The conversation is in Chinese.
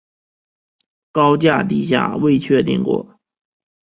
高架地下未确定过。